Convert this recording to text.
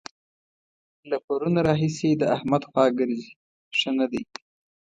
له پرونه راهسې د احمد خوا ګرځي؛ ښه نه دی.